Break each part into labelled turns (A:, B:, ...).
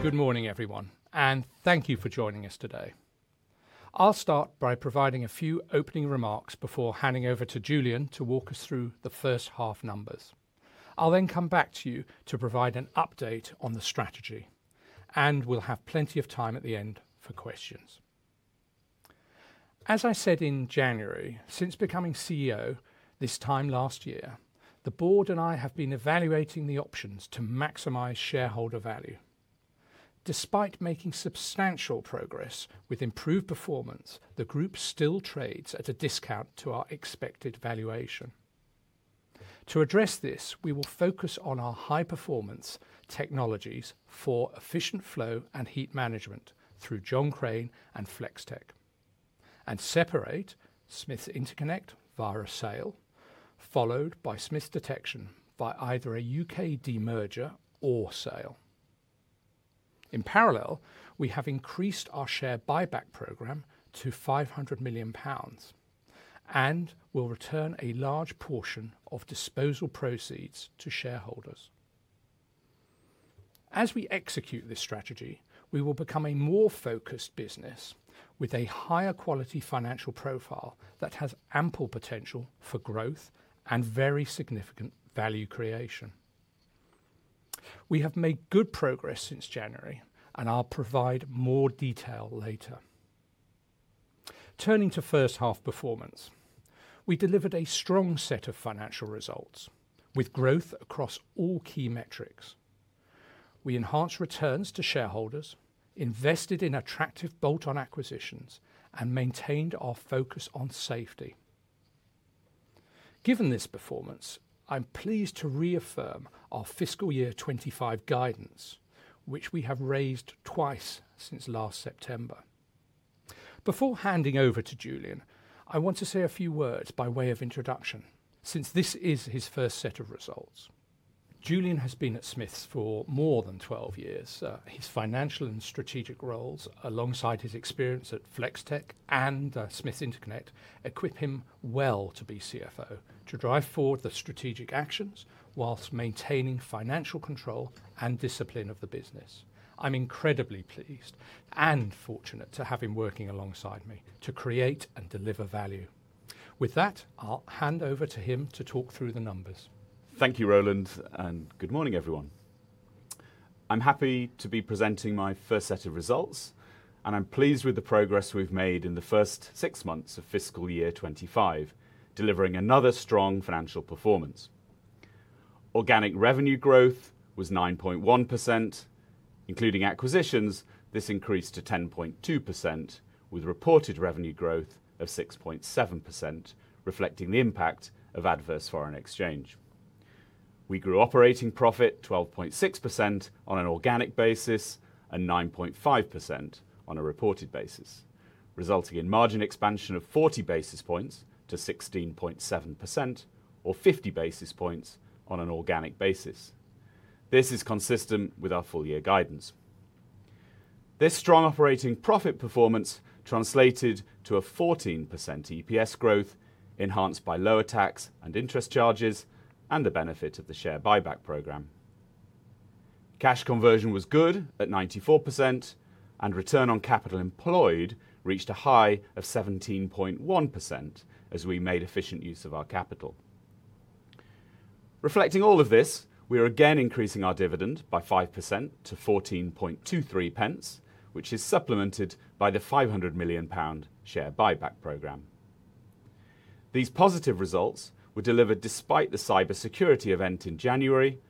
A: Good morning everyone and thank you for joining us today. I'll start by providing a few opening remarks before handing over to Julian to walk us through the first half numbers. I'll then come back to you to provide an update on the strategy and we'll have plenty of time at the end for questions. As I said in January, since becoming CEO this time last year, the board and I have been evaluating the options to maximize shareholder value. Despite making substantial progress with improved performance, the group still trades at a discount to our expected valuation. To address this, we will focus on our high performance technologies for efficient flow and heat management through John Crane and Flex-Tek and separate Smiths Interconnect via a sale, followed by Smiths Detection by either a U.K. demerger or sale. In parallel, we have increased our share buyback program to 500 million pounds and will return a large portion of disposal proceeds to shareholders. As we execute this strategy, we will become a more focused business with a higher quality financial profile that has ample potential for growth and very significant value creation. We have made good progress since January and I'll provide more detail later. Turning to first half performance, we delivered a strong set of financial results with growth across all key metrics. We enhanced returns to shareholders, invested in attractive bolt-on acquisitions and maintained our focus on safety. Given this performance, I'm pleased to reaffirm our fiscal year 2025 guidance which we have raised twice since last September. Before handing over to Julian, I want. To say a few words by way. Of introduction since this is his first set of results. Julian has been at Smiths for more than 12 years. His financial and strategic roles are alongside his experience at Flex-Tek and Smiths Interconnect. Equip him well to be CFO to drive forward the strategic actions whilst maintaining financial control and discipline of the business. I'm incredibly pleased and fortunate to have him working alongside me to create and deliver value. With that, I'll hand over to him to talk through the numbers.
B: Thank you Roland and good morning everyone. I'm happy to be presenting my first set of results and I'm pleased with the progress we've made in the first six months of fiscal year 2025, delivering another strong financial performance. Organic revenue growth was 9.1% including acquisitions. This increased to 10.2% with reported revenue growth of 6.7% reflecting the impact of adverse foreign exchange. We grew operating profit 12.6% on an organic basis and 9.5% on a reported basis, resulting in margin expansion of 40 basis points to 16.7% or 50 basis points on an organic basis. This is consistent with our full year guidance. This strong operating profit performance translated to a 14% EPS growth enhanced by lower tax and interest charges and the benefit of the share buyback program. Cash conversion was good at 94% and return on capital employed reached a high of 17.1% as we made efficient use of our capital. Reflecting all of this we are again increasing our dividend by 5% to 0.1423 which is supplemented by the 500 million pound share buyback program. These positive results were delivered despite the cyber security event in January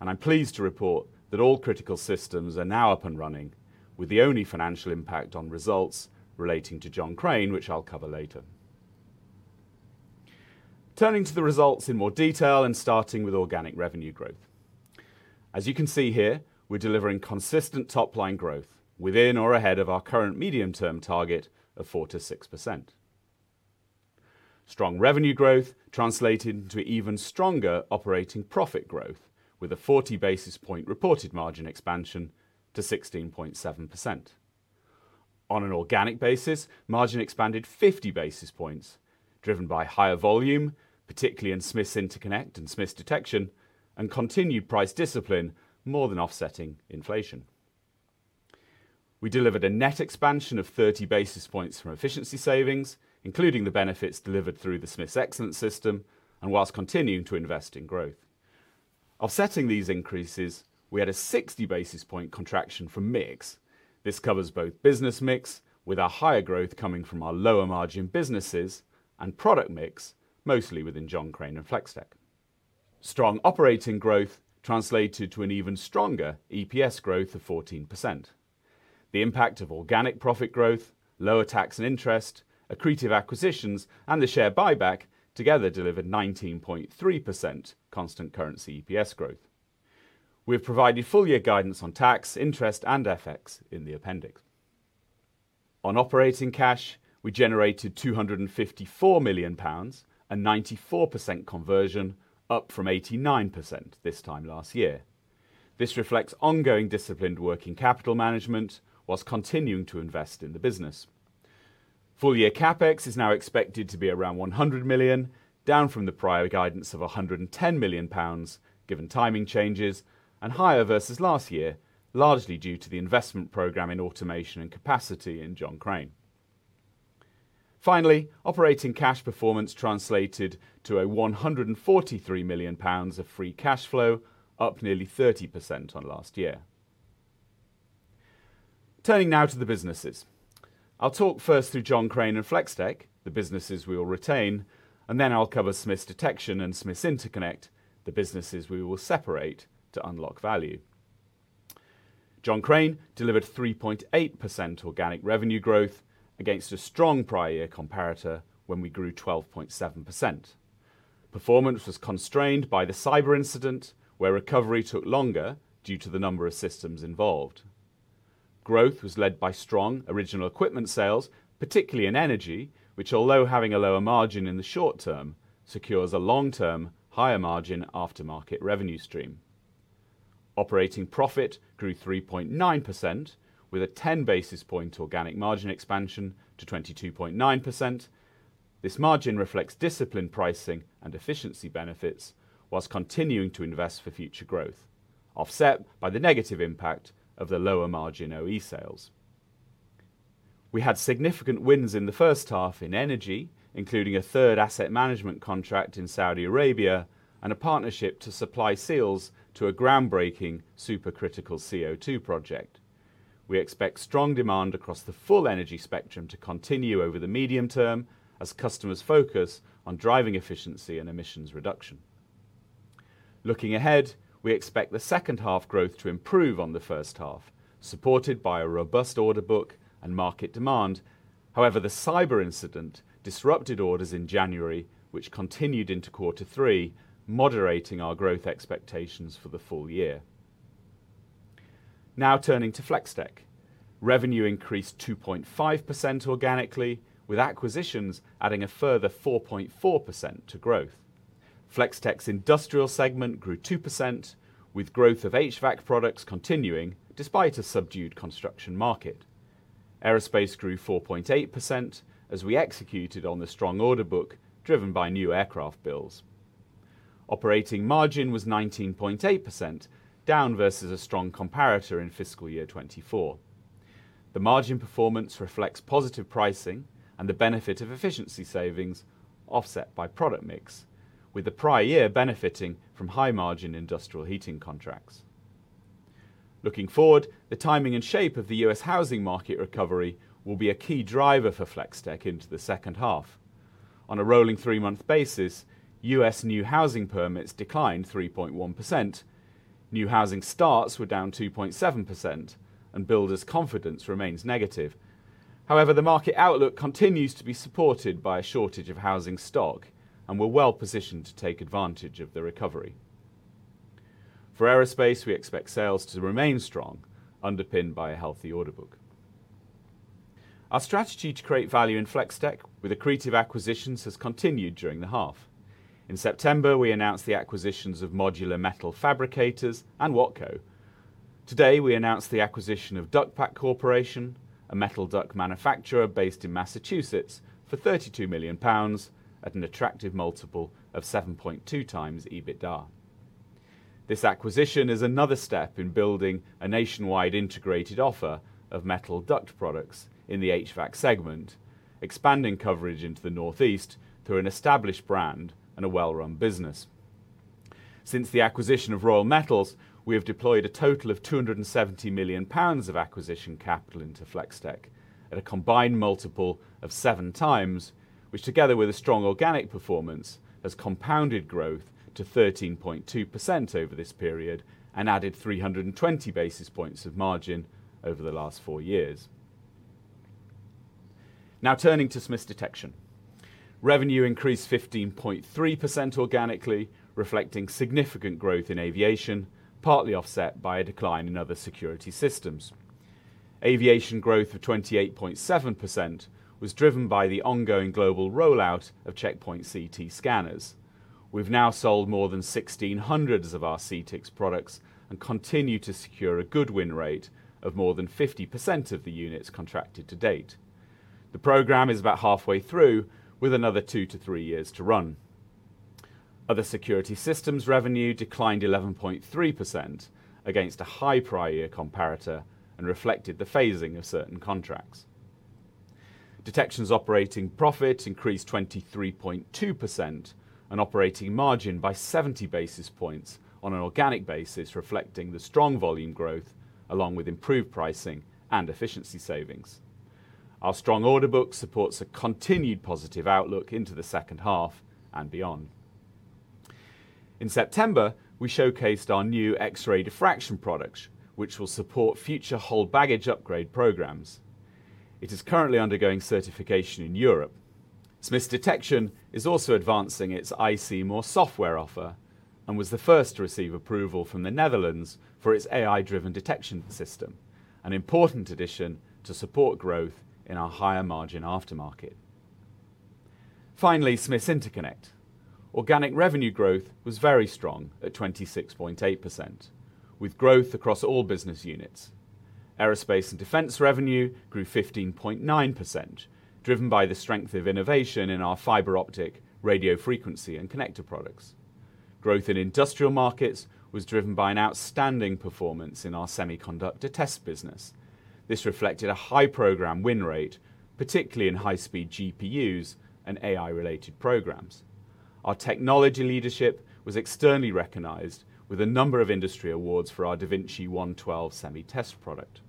B: and I'm pleased to report that all critical systems are now up and running with the only financial impact on results relating to John Crane which I'll cover later. Turning to the results in more detail and starting with organic revenue growth, as you can see here we're delivering consistent top line growth within or ahead of our current medium term target of 4% to 6%. Strong revenue growth translated into even stronger operating profit growth with a 40 basis point reported margin expansion to 16.7%. On an organic basis, margin expanded 50 basis points driven by higher volume, particularly in Smiths Interconnect and Smiths Detection, and continued price discipline more than offsetting inflation. We delivered a net expansion of 30 basis points from efficiency savings, including the benefits delivered through the Smiths Excellence System, and whilst continuing to invest in growth. Offsetting these increases, we had a 60 basis point contraction from mix. This covers both business mix, with our higher growth coming from our lower margin businesses, and product mix, mostly within John Crane and Flex-Tek. Strong operating growth translated to an even stronger EPS growth of 14%. The impact of organic profit growth, lower tax and interest, accretive acquisitions, and the share buyback together delivered 19.3% constant currency EPS growth. We have provided full year guidance on tax, interest and FX in the appendix. On operating cash, we generated 254 million pounds, a 94% conversion, up from 89% this time last year. This reflects ongoing disciplined working capital management whilst continuing to invest in the business. Full year CapEx is now expected to be around 100 million, down from the prior guidance of 110 million pounds given timing changes, and higher versus last year largely due to the investment program in automation and capacity in John Crane. Finally, operating cash performance translated to 143 million pounds of free cash flow, up nearly 30% on last year. Turning now to the businesses, I'll talk first through John Crane and Flex-Tek, the businesses we will retain, and then I'll cover Smiths Detection and Smiths Interconnect, the businesses we will separate to unlock value. John Crane delivered 3.8% organic revenue growth against a strong prior year comparator when we grew 12.7%. Performance was constrained by the cyber incident where recovery took longer due to the number of systems involved. Growth was led by strong original equipment sales, particularly in energy, which although having a lower margin in the short term secures a long term higher margin aftermarket revenue stream. Operating profit grew 3.9% with a 10 basis point organic margin expansion to 22.9%. This margin reflects disciplined pricing and efficiency benefits whilst continuing to invest for future growth, offset by the negative impact of the lower margin OE sales. We had significant wins in the first half in energy, including a third asset management contract in Saudi Arabia and a partnership to supply seals to a groundbreaking supercritical CO2 project. We expect strong demand across the full energy spectrum to continue over the medium term as customers focus on driving efficiency and emissions reduction. Looking ahead, we expect the second half growth to improve on the first half supported by a robust order book and market demand. However, the cyber incident disrupted orders in January which continued into quarter three, moderating our growth expectations for the full year. Now turning to Flex-Tek, revenue increased 2.5% organically with acquisitions adding a further 4.4% to growth. Flex-Tek's industrial segment grew 2% with growth of HVAC products continuing despite a subdued construction market. Aerospace grew 4.8% as we executed on the strong order book driven by new aircraft builds. Operating margin was 19.8%, down versus a strong comparator in fiscal year 2024. The margin performance reflects positive pricing and the benefit of efficiency savings offset by product mix, with the prior year benefiting from high margin industrial heating contracts. Looking forward, the timing and shape of the U.S. housing market recovery will be a key driver for Flex-Tek into the second half on a rolling three month basis. U.S. new housing permits declined 3.1%, new housing starts were down 2.7%, and builders confidence remains negative. However, the market outlook continues to be supported by a shortage of housing stock and we're well positioned to take advantage of the recovery. For aerospace, we expect sales to remain strong, underpinned by a healthy order book. Our strategy to create value in Flex-Tek with accretive acquisitions has continued during the half. In September we announced the acquisitions of Modular Metal Fabricators and Wattco. Today we announced the acquisition of Dock Park Corporation, a metal duct manufacturer based in Massachusetts for 32 million pounds at an attractive multiple of 7.2 times EBITDA. This acquisition is another step in building a nationwide integrated offer of metal duct products in the HVAC segment, expanding coverage into the Northeast through an established brand and a well-run business. Since the acquisition of Royal Metals we have deployed a total of 270 million pounds of acquisition capital into Flex-Tek at a combined multiple of seven times, which together with a strong organic performance has compounded growth to 13.2% over this period and added 320 basis points of margin over the last four years. Now turning to Smiths Detection, revenue increased 15.3% organically, reflecting significant growth in aviation partly offset by a decline in other security systems. Aviation growth of 28.7% was driven by the ongoing global rollout of Checkpoint CT scanners. We've now sold more than 1,600 of our CTIX products and continue to secure a good win rate of more than 50% of the units contracted to date. The program is about halfway through with another two to three years to run. Other security systems revenue declined 11.3% against a high prior year comparator and reflected the phasing of certain contracts. Detection's operating profit increased 23.2% and operating margin by 70 basis points on an organic basis reflecting the strong volume growth along with improved pricing and efficiency savings. Our strong order book supports a continued positive outlook into the second half beyond. In September we showcased our new X-ray diffraction products which will support future whole baggage upgrade programs. It is currently undergoing certification in Europe. Smiths Detection is also advancing its IC more software offer and was the first to receive approval from the Netherlands for its AI driven detection system, an important addition to support growth in our higher margin aftermarket. Finally, Smiths Interconnect organic revenue growth was very strong at 26.8% with growth across all business units. Aerospace and Defence revenue grew 15.9% driven by the strength of innovation in our fiber optic, radio frequency and connector products. Growth in industrial markets was driven by an outstanding performance in our semiconductor test business. This reflected a high program win rate particularly in high speed GPUs and AI related programs. Our technology leadership was externally recognized with a number of industry awards for our DaVinci 112 semi test product.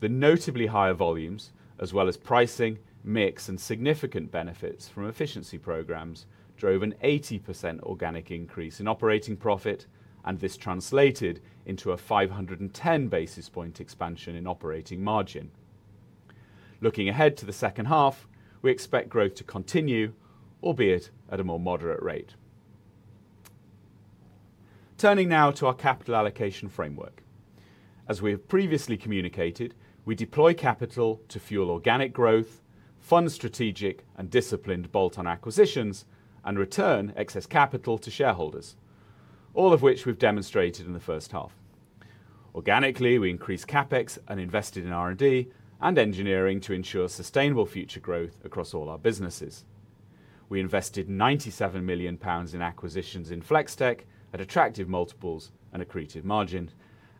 B: The notably higher volumes as well as pricing mix and significant benefits from efficiency programs drove an 80% organic increase in operating profit and this translated into a 510 basis point expansion in operating margin. Looking ahead to the second half we expect growth to continue albeit at a more moderate rate. Turning now to our capital allocation framework as we have previously communicated we deploy capital to fuel organic growth, fund strategic and disciplined bolt-on acquisitions and return excess capital to shareholders, all of which we've demonstrated in the first half organically. We increased CapEx and invested in R&D and engineering to ensure sustainable future growth across all our businesses. We invested 97 million pounds in acquisitions in Flex-Tek at attractive multiples and accretive margin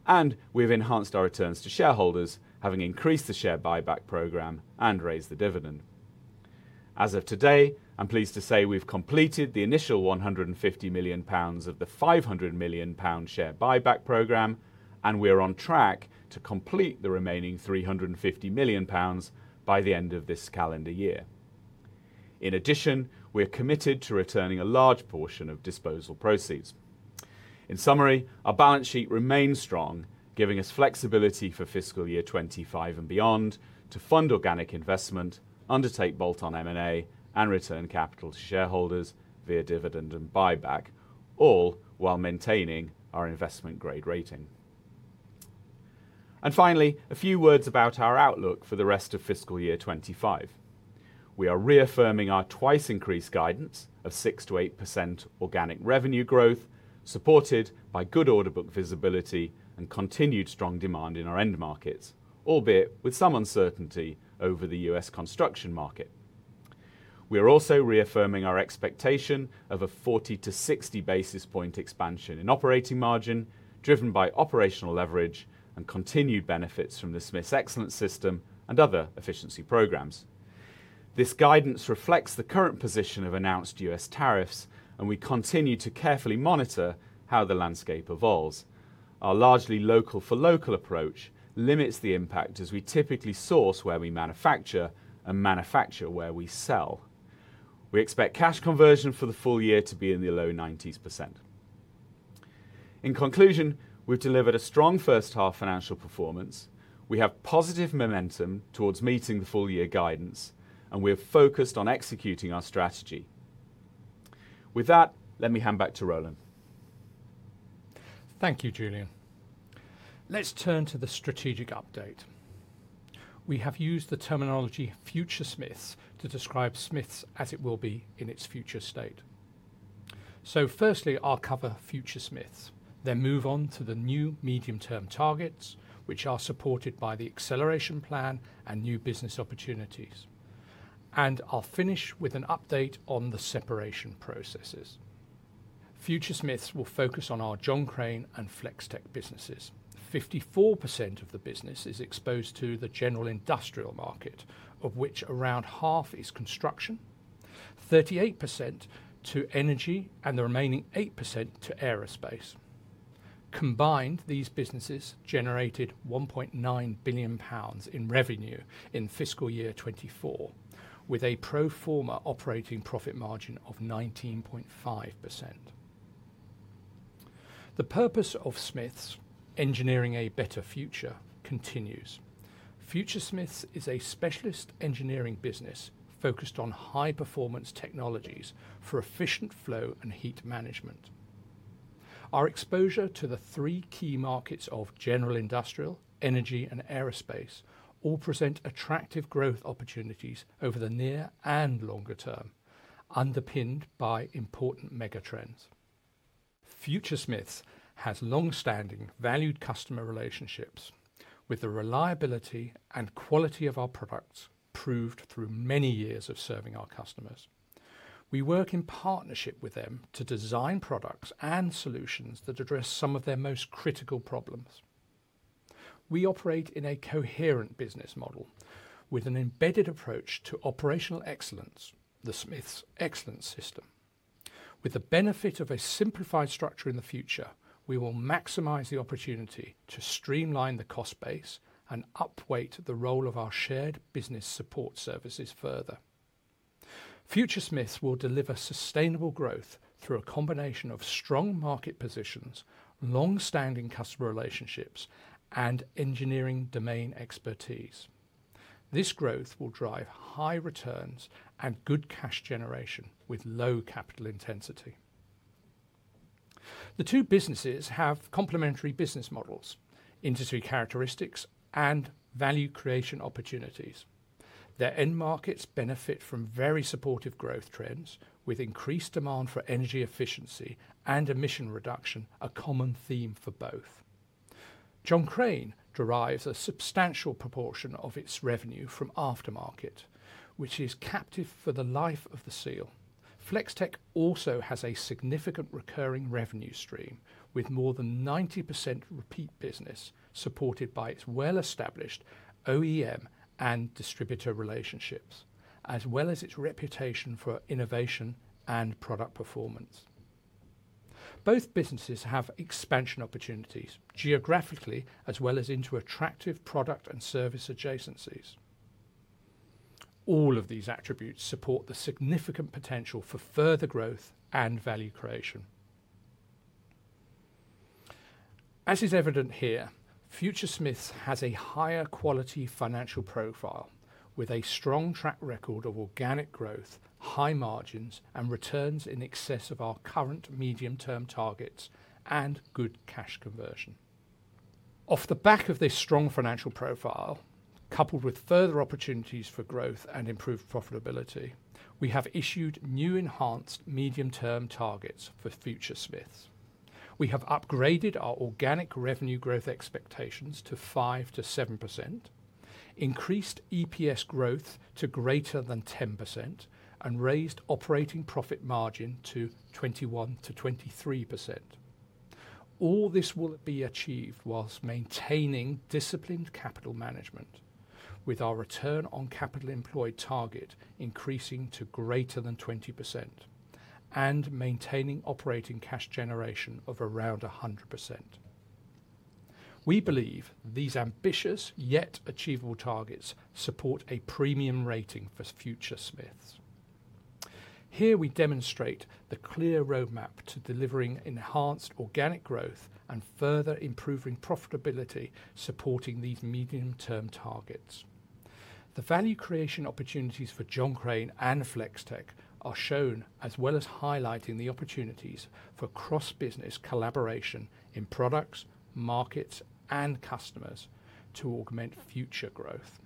B: and we have enhanced our returns to shareholders, having increased the share buyback program and raised the dividend. As of today I'm pleased to say we've completed the initial 150 million pounds of the 500 million pound share buyback program and we are on track to complete the remaining 350 million pounds by the end of this calendar year. In addition, we are committed to returning a large portion of disposal proceeds. In summary, our balance sheet remains strong, giving us flexibility for fiscal year 2025 and beyond to fund organic investment, undertake bolt-on M&A, and return capital to shareholders via dividend and buyback, all while maintaining our investment grade rating. Finally, a few words about our outlook for the rest of fiscal year 2025. We are reaffirming our twice increased guidance of 6% to 8% organic revenue growth supported by good order book visibility and continued strong demand in our end markets, albeit with some uncertainty over the U.S. construction market. We are also reaffirming our expectation of a 40-60 basis point expansion in operating margin driven by operational leverage and continued benefits from the Smiths Excellence System and other efficiency programs. This guidance reflects the current position of announced U.S. tariffs and we continue to carefully monitor how the landscape evolves. Our largely local for local approach limits the impact as we typically source where we manufacture and manufacture where we sell. We expect cash conversion for the full year to be in the low 90% range. In conclusion, we've delivered a strong first half financial performance. We have positive momentum towards meeting the full year guidance and we are focused on executing our strategy. With that let me hand back to Roland.
A: Thank you Julian. Let's turn to the strategic update. We have used the terminology Future Smiths to describe Smiths as it will be in its future state. Firstly, I'll cover Future Smiths then move on to the new medium term targets which are supported by the acceleration plan and new business opportunities. I'll finish with an update on the separation processes. Future Smiths will focus on our John Crane and Flex-Tek businesses. 54% of the business is exposed to the general industrial market of which around half is construction, 38% to energy and the remaining 8% to aerospace. Combined, these businesses generated 1.9 billion pounds in revenue in fiscal year 2024 with a pro forma operating profit margin of 19.5%. The purpose of Smiths Engineering a Better Future continues. Future Smiths is a specialist engineering business focused on high performance technologies for efficient flow and heat management. Our exposure to the three key markets of general industrial, energy and aerospace all present attractive growth opportunities over the near and longer term. Underpinned by important megatrends, Future Smiths has long standing valued customer relationships with the reliability and quality of our products proved through many years of serving our customers. We work in partnership with them to design products and solutions that address some of their most critical problems. We operate in a coherent business model with an embedded approach to operational excellence, the Smiths Excellence System with the benefit of a simplified structure. In the future we will maximize the opportunity to streamline the cost base and upweight the role of our shared business support services. Further, Future Smiths will deliver sustainable growth through a combination of strong market positions, long standing customer relationships and engineering domain expertise. This growth will drive high returns and good cash generation with low capital intensity. The two businesses have complementary business models, industry characteristics and value creation opportunities. Their end markets benefit from very supportive growth trends with increased demand for energy efficiency and emission reduction a common theme for both. John Crane derives a substantial proportion of its revenue from aftermarket which is captive for the life of the seal. Flex-Tek also has a significant recurring revenue stream with more than 90% repeat business supported by its well established OEM and distributor relationships as well as its reputation for innovation and product performance. Both businesses have expansion opportunities geographically as well as into attractive product and service adjacencies. All of these attributes support the significant potential for further growth and value creation as is evident here. Future Smiths has a higher quality financial profile with a strong track record of organic growth, high margins and returns in excess of our current medium term targets and good cash conversion. Off the back of this strong financial. Profile coupled with further opportunities for growth and improved profitability, we have issued new enhanced medium term targets for Future Smiths. We have upgraded our organic revenue growth expectations to 5% to 7%, increased EPS growth to greater than 10% and raised operating profit margin to 21% to 23%. All this will be achieved whilst maintaining disciplined capital management. With our return on capital employed target increasing to greater than 20% and maintaining operating cash generation of around 100%. We believe these ambitious yet achievable targets support a premium rating for Future Smiths. Here we demonstrate the clear roadmap to delivering enhanced organic growth and further improving profitability. Supporting these medium term targets, the value creation opportunities for John Crane and Flex-Tek are shown as well as highlighting the opportunities for cross business collaboration in products, markets and customers to augment future growth.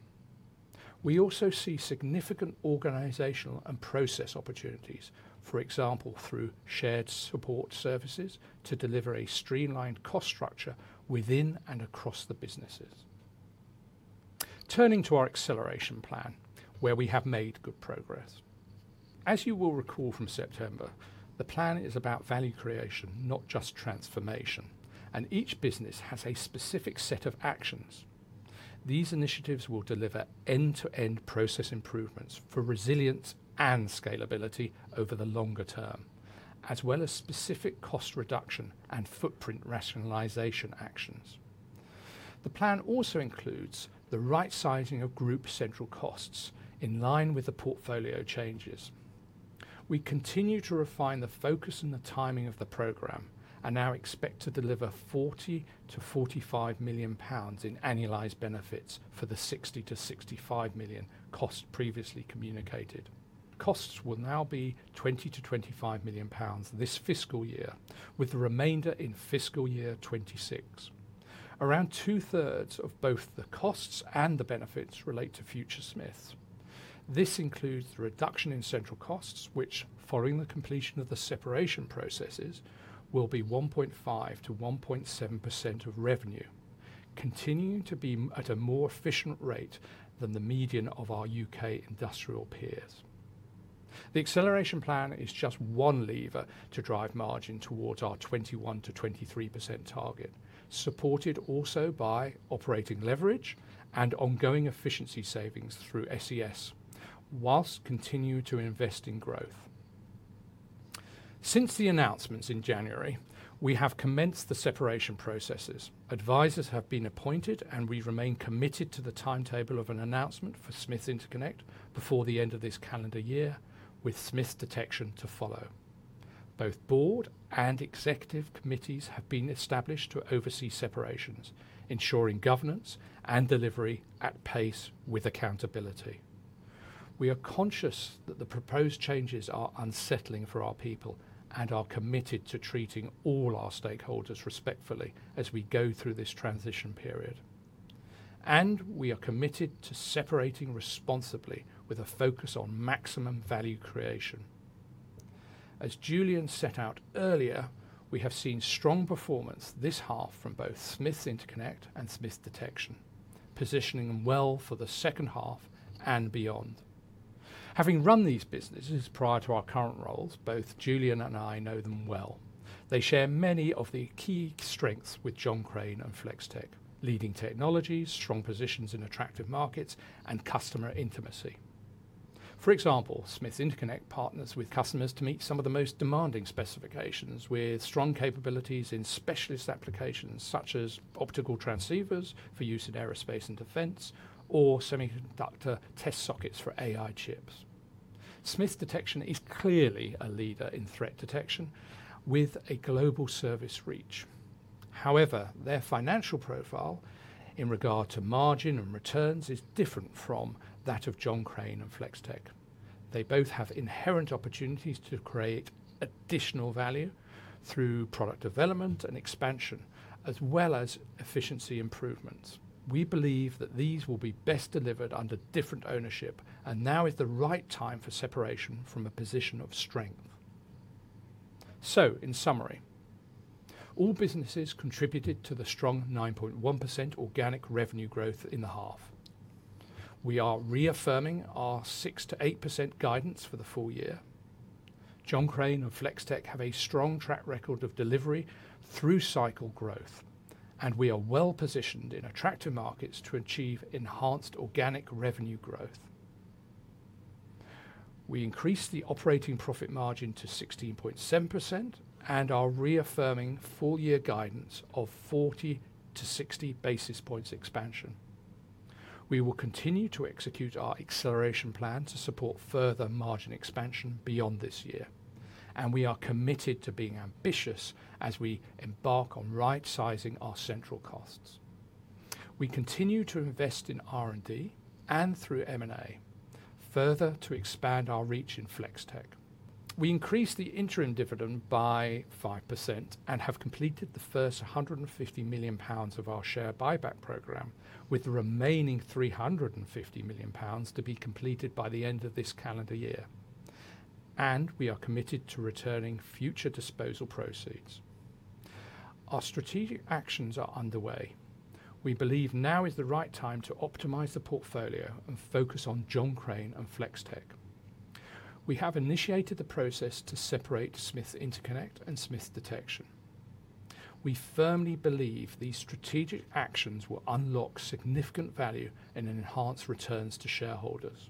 A: We also see significant organizational and process opportunities, for example through shared support services, to deliver a streamlined cost structure within and across the businesses. Turning to our acceleration plan, where we have made good progress, as you will recall from September, the plan is about value creation, not just transformation, and each business has a specific set of actions. These initiatives will deliver end-to-end process improvement for resilience and scalability over the longer term, as well as specific cost reduction and footprint rationalization actions. The plan also includes the rightsizing of group central costs in line with the portfolio changes. We continue to refine the focus and the timing of the program and now expect to deliver 40 million to 45 million pounds in annualized benefits for the 60 million to 65 million cost. Previously communicated costs will now be 20 million to 25 million pounds this fiscal year with the remainder in fiscal year 2026. Around two thirds of both the costs and the benefits relate to Future Smiths. This includes the reduction in central costs which following the completion of the separation processes will be 1.5% to 1.7% of revenue, continuing to be at a more efficient rate than the median of our U.K. industrial peers. The acceleration plan is just one lever to drive margin towards our 21% to 23% target, supported also by operating leverage and ongoing efficiency savings through SES whilst continuing to invest in growth. Since the announcements in January we have commenced the separation processes. Advisors have been appointed and we remain committed to the timetable of an announcement for Smiths Interconnect before the end of this calendar year, with Smiths Detection to follow. Both board and Executive committees have been established to oversee separations, ensuring governance and delivery at pace with accountability. We are conscious that the proposed changes are unsettling for our people and are committed to treating all our stakeholders respectfully as we go through this transition period and we are committed to separating responsibly with a focus on maximum value creation. As Julian set out earlier, we have seen strong performance this half from both Smiths Interconnect and Smiths Detection positioning well for the second half and beyond. Having run these businesses prior to our current roles, both Julian and I know them well. They share many of the key strengths with John Crane and leading technologies, strong positions in attractive markets and customer intimacy. For example, Smiths Interconnect partners with customers to meet some of the most demanding specifications with strong capabilities in specialist applications such as optical transceivers for use in aerospace and defense or semiconductor test sockets for AI chips. Smiths Detection is clearly a leader in threat detection with a global service reach. However, their financial profile in regard to margin and returns is different from that of John Crane and Flex-Tek. They both have inherent opportunities to create additional value through product development and expansion as well as efficiency improvements. We believe that these will be best delivered under different ownership and now is the right time for separation from a position of strength. In summary, all businesses contributed to the strong 9.1% organic revenue growth in the half. We are reaffirming our 6% to 8% guidance for the full year. John Crane and Flex-Tek have a strong track record of delivery and through cycle growth and we are well positioned in attractive markets to achieve enhanced organic revenue growth. We increased the operating profit margin to 16.7% and are reaffirming full year guidance of 40-60 basis points expansion. We will continue to execute our acceleration plan to support further margin expansion beyond this year and we are committed to being ambitious as we embark on rightsizing our central costs. We continue to invest in R&D and through M&A further to expand our reach in Flex-Tek. We increased the interim dividend by 5% and have completed the first 150 million pounds of our share buyback program with the remaining 350.50 million pounds to be completed by the end of this calendar year. We are committed to returning future disposal proceeds. Our strategic actions are underway. We believe now is the right time. To optimize the portfolio and focus on. John Crane and Flex-Tek. We have initiated the process to separate Smiths Interconnect and Smiths Detection. We firmly believe these strategic actions will unlock significant value and enhance returns to shareholders.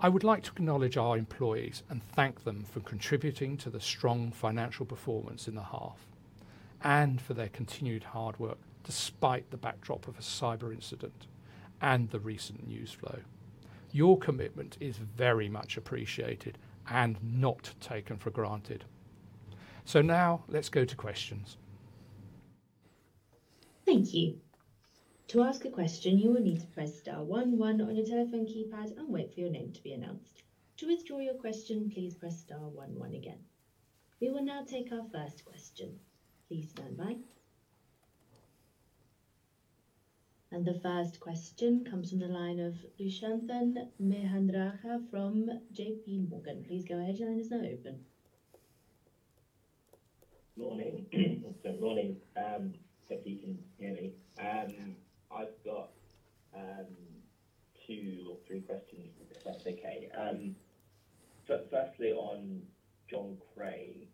A: I would like to acknowledge our employees and thank them for contributing to the strong financial performance in the half and for their continued hard work despite the backdrop of a cyber incident and the recent news flow. Your commitment is very much appreciated and not taken for granted. Now let's go to questions.
C: Thank you. To ask a question, you will need to press star one one on your telephone keypad and wait for your name to be announced. To withdraw your question, please press star one one again. We will now take our first question. Please stand by. The first question comes from the line of Lushanthan Mahendrarajah from JPMorgan. Please go ahead. Your line is now open.
D: Morning. Morning. I hope you can you hear me? I've got two or three questions if that's okay, firstly on John Crane,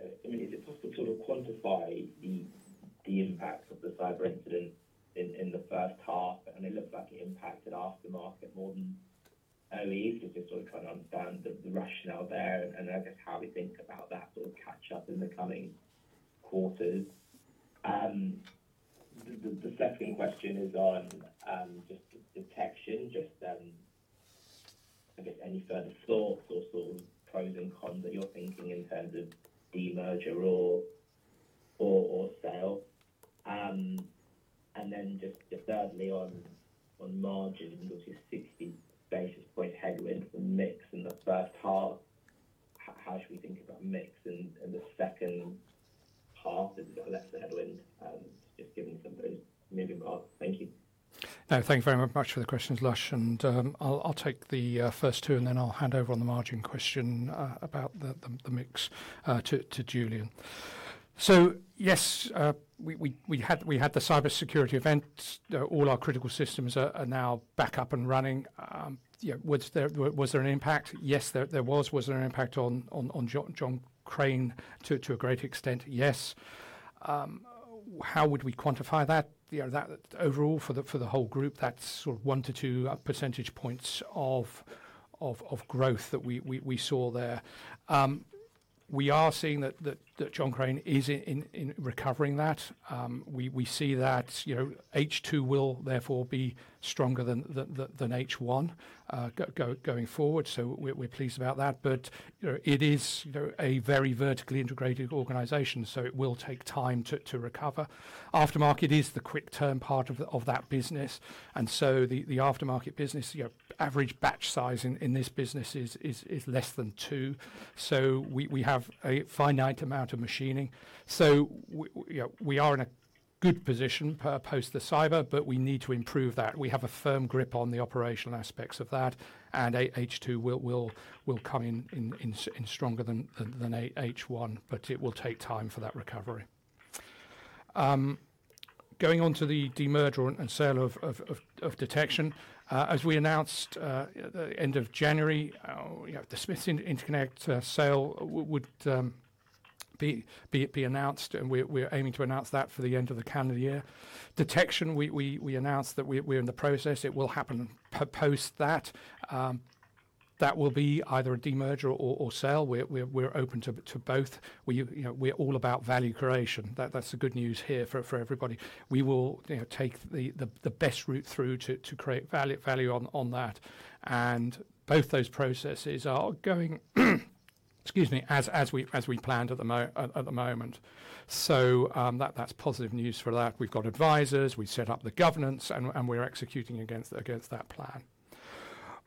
D: I. mean, is it possible to sort of. Quantify the impact of the cyber incident in the first half and it looks like it impacted aftermarket more than just sort of trying to understand the rationale there and I guess how we think about that or catch up in the coming quarters. The second question is on just detection, just I guess any further thoughts or sort of pros and cons that you're thinking in terms of demerger or sale? The thirdly on margin 60 basis point headwind for mix in the first half, how should we think about mix in the second half? Is lesser headwind just given some of those moving parts.
A: Thank you, thank you very much for the questions. Lushanthan and I will take the first two and then I will hand over on the margin question about the mix to Julian. So. Yes, we had the cybersecurity event. All our critical systems are now back up and running. Was there an impact? Yes, there was. Was there an impact on John Crane? To a great extent, yes. How would we quantify that overall for the whole group? That's sort of 1-2 percentage points of growth that we saw there. We are seeing that John Crane is recovering, that we see that H2 will therefore be stronger than H1 going forward. We're pleased about that. It is a very vertically integrated organization, so it will take time to recover. Aftermarket is the quick term part of that business. The aftermarket business average batch size in this business is less than two. We have a finite amount of machine machining. We are in a good position post the cyber. We need to improve that. We have a firm grip on the operational aspects of that. H2 will come in stronger than H1, but it will take time for that recovery. Going on to the demerger and sale of Detection. As we announced at the end of January, the Smiths Interconnect sale would. Be announced. We're aiming to announce that for the end of the calendar year. Detection, we announced that we're in the process. It will happen post that. That will be either a demerger or sell. We're open to both. We're all about value creation. That's the good news here for everybody. We will take the best route through to create value on that. Both those processes are going, excuse me, as we planned at the moment. That's positive news for that. We've got advisors, we set up the governance, and we're executing against that plan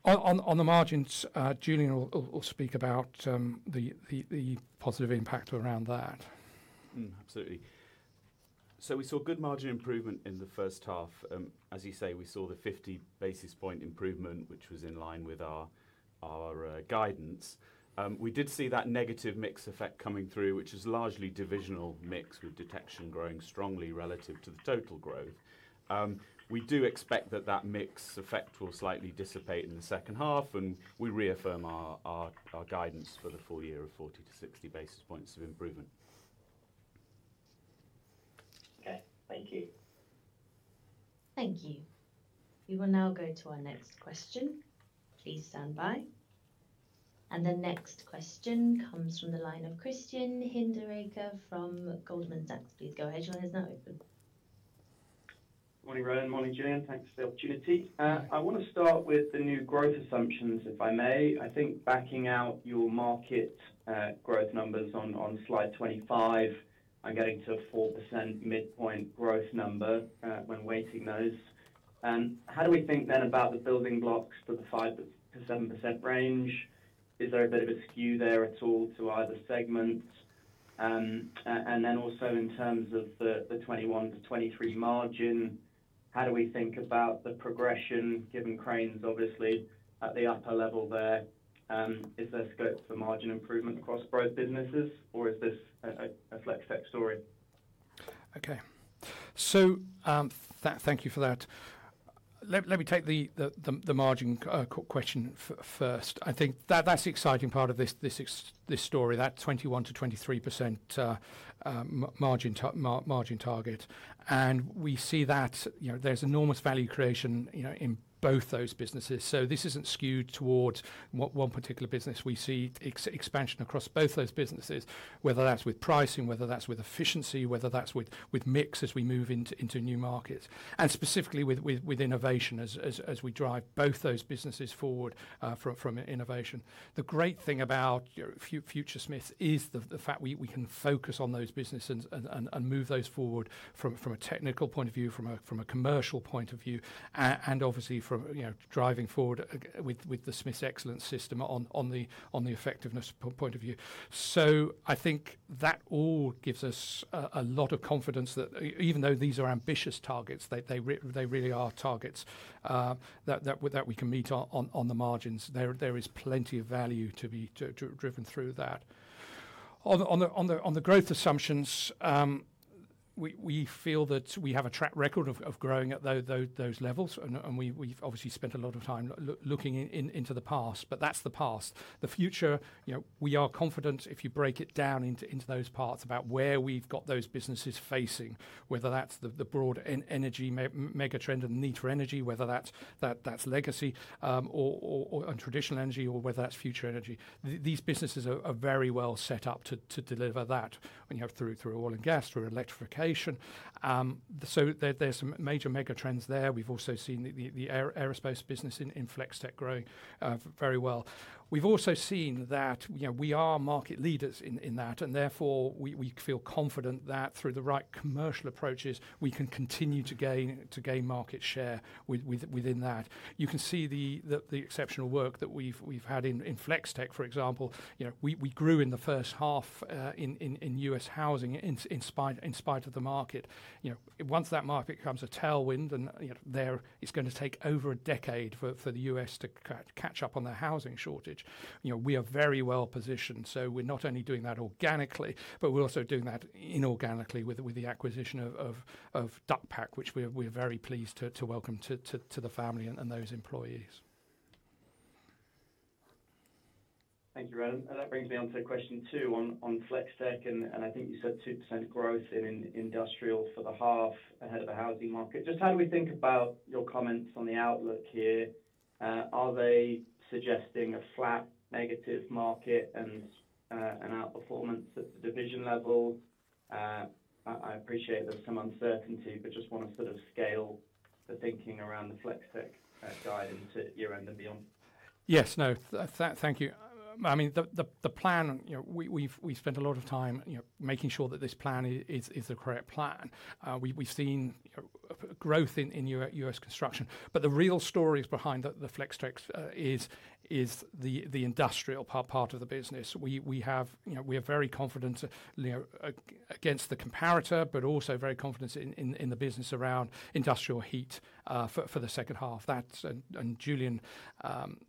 A: on the margins. Julian will speak about the positive impact around that.
B: Absolutely. We saw good margin improvement in the first half, as you say. We saw the 50 basis point improvement, which was in line with our guidance. We did see that negative mix effect coming through, which is largely divisional mix with Detection growing strongly relative to the total growth. We do expect that that mix effect will slightly dissipate in the second half. We reaffirm our guidance for the full year of 40-60 basis points of improvement.
D: Okay, thank you.
C: Thank you. We will now go to our next question. Please stand by. The next question comes from the line of Christian Hinderaker from Goldman Sachs. Please go ahead. Your line is now open.
E: Morning, Roland. Morning, Julian. Thanks for the opportunity. I want to start with the new growth assumptions, if I may. I think backing out your market growth numbers on slide 25, I'm getting to 4% midpoint growth number when weighting those. How do we think then about the building blocks for the 5% to 7% range? Is there a bit of a skew there at all to either segment? Also, in terms of the 21% to 23% margin, how do we think about the progression given Crane is obviously at the upper level there. Is there scope for margin improvement across both businesses or is this a Flex-Tek story?
A: Okay, thank you for that. Let me take the margin question first. I think that's the exciting part of this story. That 21% to 23% margin target. We see that there's enormous value creation in both those businesses. This isn't skewed towards one particular business. We see expansion across both those businesses, whether that's with pricing, whether that's with efficiency, whether that's with mix as we move into new markets, and specifically with innovation, as we drive both those businesses forward from innovation. The great thing about Future Smiths is the fact we can focus on those businesses and move those forward from a technical point of view, from a commercial point of view, and obviously from driving forward with the Smiths Excellence System on the effectiveness point of view. I think that all gives us a lot of confidence that even though these are ambitious targets, they really are targets that we can meet on the margins. There is plenty of value to be driven through that on the growth assumptions. We feel that we have a track record of growing at those levels and we've obviously spent a lot of time looking into the past, but that's the past, the future. We are confident if you break it down into those parts about where we've got those businesses facing, whether that's the broad energy, megatrend and need for energy, whether that's legacy or traditional energy, or whether that's future energy, these businesses are very well set up to deliver that when you have through oil and gas, through electrification. There are some major mega trends there. We've also seen the aerospace business in Flex-Tek grow very well. We've also seen that we are market leaders in that and therefore we feel confident that through the right commercial approaches we can continue to gain market share within that. You can see the exceptional work that we've had in Flex-Tek. For example, we grew in the first half in U.S. housing in spite of the market. Once that market becomes a tailwind and it's going to take over a decade for the U.S. to catch up on the housing shortage, we are very well positioned. We're not only doing that organically, but we're also doing that inorganically with the acquisition of Dock Park, which we're very pleased to welcome to the family and those employees.
E: Thank you. That brings me on to question two on Flex-Tek. And I think you said 2% growth in industrial for the half ahead of the housing market. Just how do we think about your comments on the outlook here? Are they suggesting a flat negative market and an outperformance at the division level? I appreciate there's some uncertainty, but just want to sort of scale the thinking around the Flex-Tek guide into year end and beyond.
A: Yes. No, thank you. I mean the plan. We spent a lot of time making sure that this plan is the correct plan. We've seen growth in U.S. construction, but the real stories behind the Flex-Tek is the industrial part of the business. We are very confident against the comparator, but also very confident in the business around industrial heat for the second half. Julian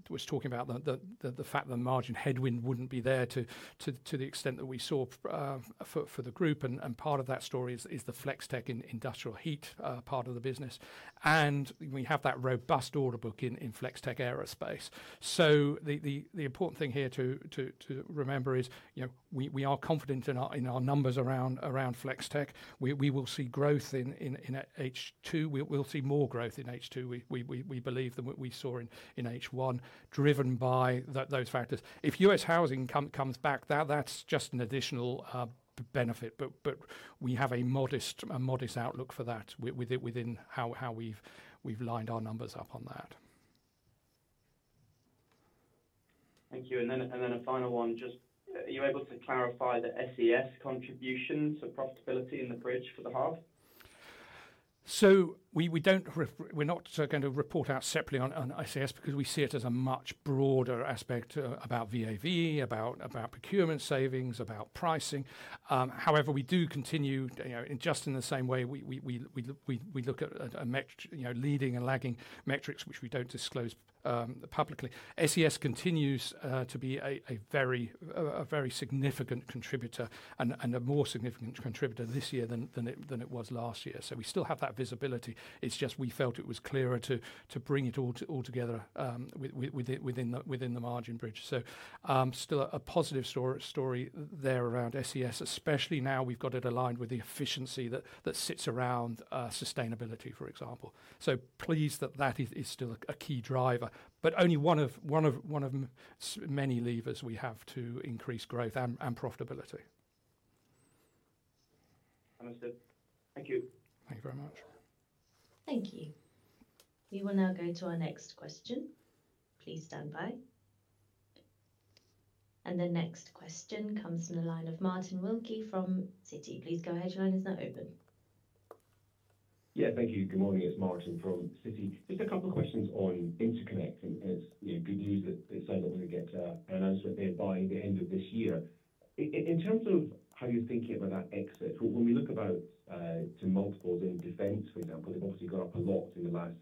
A: was talking about the fact that margin headwind would not be there to the extent that we saw for the group. Part of that story is the Flex-Tek industrial heat part of the business. We have that robust order book in Flex-Tek Aerospace. The important thing here to remember is we are confident in our numbers around Flex-Tek. We will see growth in H2, we'll see more growth in H2, we believe, than what we saw in H1 driven by those factors. If U.S. housing comes back, that's just an additional benefit, but we have a modest outlook for that within how we've lined our numbers up on that.
E: Thank you. Are you able to clarify the SES contribution to profitability in the bridge for the half?
A: We're not going to report out separately on ICS because we see it as a much broader aspect about VAV, about procurement savings, about pricing. However, we do continue just in the same way we look, we look at leading and lagging metrics which we don't disclose publicly. SES continues to be a very significant contributor and a more significant contributor this year than it was last year. We still have that visibility. It's just we felt it was clearer to bring it all together within the margin bridge. Still a positive story there around SES especially now we've got it aligned with the efficiency that sits around sustainability, for example. Pleased that that is still a key driver but only one of many levers we have to increase growth and profitability.
E: Thank you.
A: Thank you very much.
C: Thank you. We will now go to our next question. Please stand by. The next question comes from the line of Martin Wilkie from Citi. Please go ahead. Is now open.
F: Yeah, thank you. Good morning, it's Martin from Citi. Just a couple of questions on Interconnect and it's, you know, good news that it sound. We're going to get announcement there by the end of this year. In terms of how you're thinking about that exit, when we look about to multiples in defense, for example, they've obviously gone up a lot in the last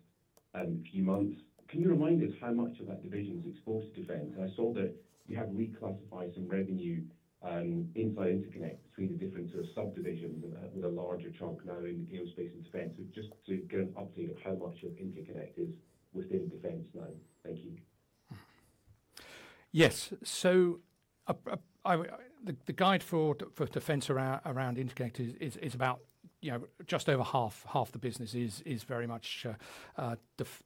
F: few months. Can you remind us how much of that division is exposed to defense? I saw that you have reclassified some revenue inside Interconnect between the different subdivisions with a larger chunk now in aerospace and defense just to get an update. Of how much of Interconnect is within defense now. Thank you.
A: Yes. The guide for defense around Interconnect is about, you know, just over half. Half the business is very much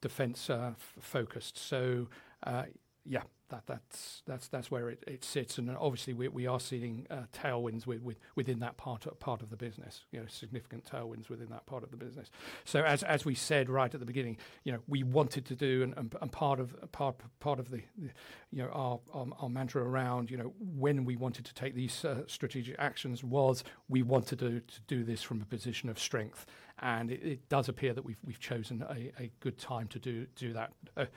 A: defense focused. Yeah, that's where it sits. Obviously we are seeing tailwinds within that part of the business. Significant tailwinds within that part of the business. As we said right at the beginning, we wanted to do, and part of our mantra around when we wanted to take these strategic actions was we wanted to do this from a position of strength. It does appear that we've chosen a good time to do that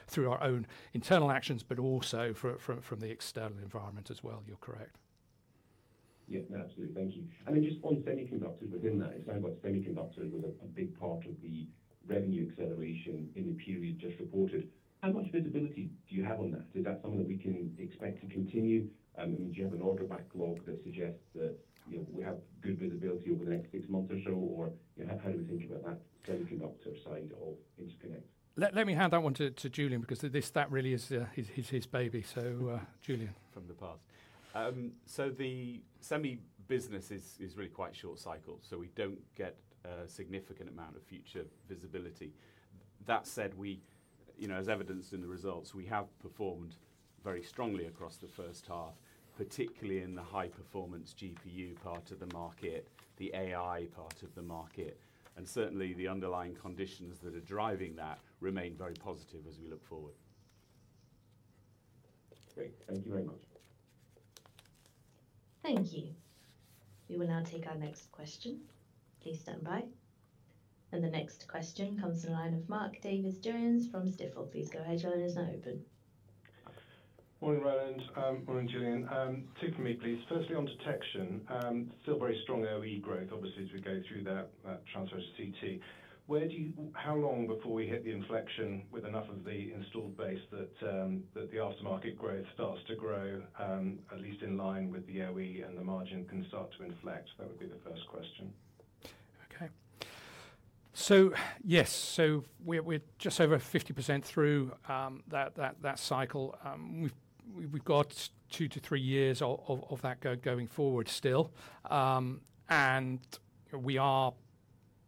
A: through our own internal actions, but also from the external environment as well. You're correct.
F: Yeah, absolutely. Thank you. Just on semiconductors within that. It's not about semiconductors with a big part of the revenue acceleration in the period just reported. How much visibility do you have on that? Is that something that we can expect to continue? Do you have an order backlog that suggests that we have good visibility over the next six months or so? How do we think about that semiconductor side of Interconnect?
A: Let me hand that one to Julian because that really is his baby. Julian from the past.
B: The semi business is really quite short cycle so we do not get a significant amount of future visibility. That said, we, you know, as evidenced in the results, we have performed very strongly across the first half, particularly in the high performance GPU part of the market, the AI part of the market and certainly the underlying conditions that are driving that remain very positive as we look forward.
F: Great, thank you very much.
C: Thank you. We will now take our next question. Please stand by. The next question comes in the line of Mark Davies Jones from Stifel. Please go ahead. Your line is now open.
G: Morning, Roland. Julian. Two for me please. Firstly, on Detection, still very strong OE growth. Obviously as we go through that transfer to CT, how long before we hit the inflection with enough of the installed base that the aftermarket growth starts to grow at least in line with the OE and the margin can start to inflect? That would be the first question.
A: Okay, yes, we're just over 50% through that cycle. We've got two to three years of that going forward still and we are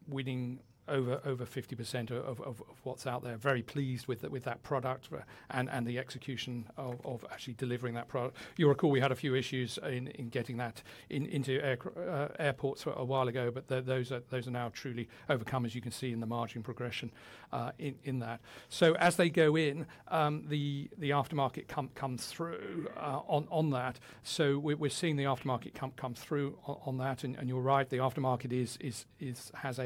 A: winning over 50% of what's out there. Very pleased with that product and the execution of actually delivering that product. You recall we had a few issues in getting that into airports a while ago, but those are now truly overcome, as you can see in the margin progression in that. As they go in, the aftermarket comes through on that. We're seeing the aftermarket come through on that. You're right, the aftermarket has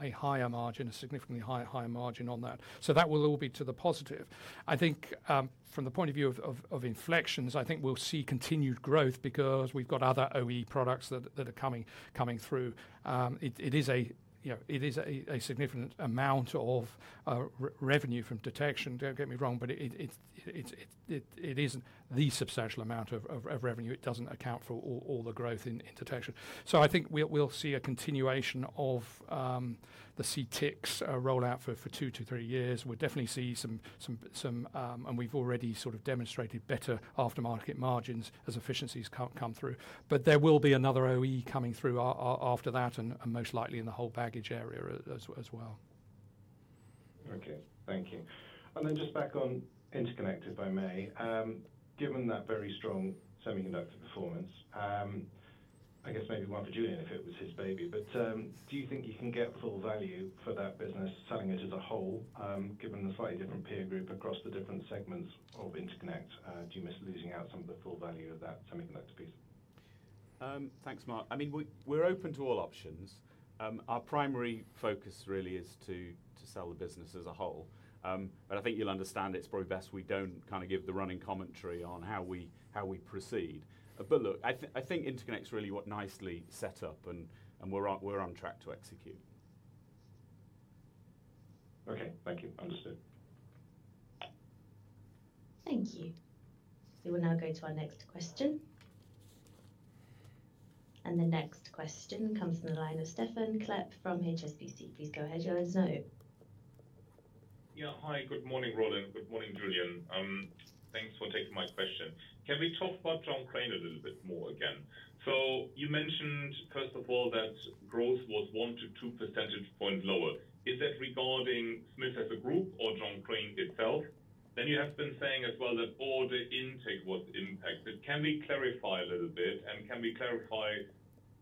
A: a higher margin, a significantly higher margin on that. That will all be to the positive, I think from the point of view of inflections. I think we'll see continued growth because we've got other OE products that are coming through. It is a significant amount of revenue from Detection, don't get me wrong. But it isn't the substantial amount of revenue. It doesn't account for all the growth in Detection. I think we'll see a continuation of the CTiX rollout for two to three years. We'll definitely see some and we've already sort of demonstrated better aftermarket margins as efficiencies come through. But there will be another OE coming through after that and most likely in the whole baggage area as well.
G: Okay, thank you. Just back on Interconnect if I may, given that very strong semiconductor performance. I guess maybe one for Julian if it was his baby. Do you think you can get full value for that business selling it as a whole? Given the slightly different peer group across the different segments of Interconnect, do you miss losing out some of the full value of that semiconductor piece?
B: Thanks, Mark. I mean we're open to all options. Our primary focus really is to sell the business as a whole. I think you'll understand it's probably best we don't kind of give the running commentary on how we proceed. Look, I think Interconnect is really nicely set up and we're on track to execute.
G: Okay, thank you. Understood.
C: Thank you. We will now go to our next question. The next question comes from the line of Stephan Klepp from HSBC. Please go ahead. Yours now.
H: Yeah, Hi. Good morning, Roland. Good morning, Julian. Thanks for taking my question. Can we talk about John Crane a little bit more again? You mentioned first of all that growth was 1-2 percentage points lower. Is that regarding Smiths as a group or John Crane itself? You have been saying as well that all the intake was impacted. Can we clarify a little bit and can we clarify